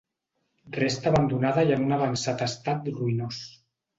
Resta abandonada i en un avançat estat ruïnós.